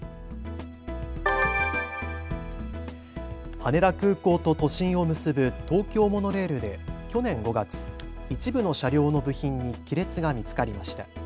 羽田空港と都心を結ぶ東京モノレールで去年５月、一部の車両の部品に亀裂が見つかりました。